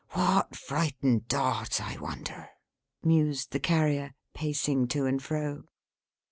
What frightened Dot, I wonder!" mused the Carrier, pacing to and fro.